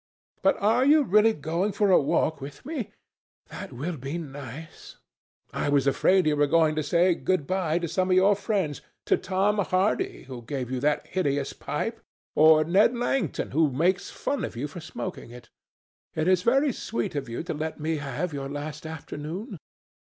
But are you really going for a walk with me? That will be nice! I was afraid you were going to say good bye to some of your friends—to Tom Hardy, who gave you that hideous pipe, or Ned Langton, who makes fun of you for smoking it. It is very sweet of you to let me have your last afternoon.